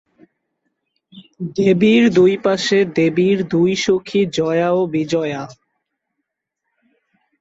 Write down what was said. দেবীর দুই পাশে দেবীর দুই সখী জয়া ও বিজয়া।